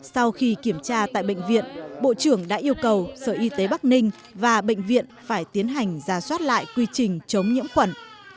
sau khi kiểm tra tại bệnh viện bộ trưởng đã yêu cầu sở y tế bắc ninh và bệnh viện phải tiến hành ra soát lại quy trình chống nhiễm khuẩn